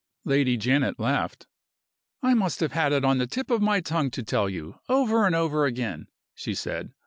Lady Janet laughed. "I must have had it on the tip of my tongue to tell you, over and over again," she said.